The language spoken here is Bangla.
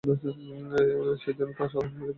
সে যেন তাহার স্বামীকে ফিরিয়া বিবাহ করিল।